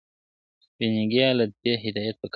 وننګیا لي ته، هدایت په کار دئ